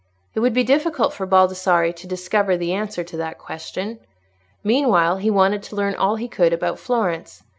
It would be difficult for Baldassarre to discover the answer to that question. Meanwhile, he wanted to learn all he could about Florence.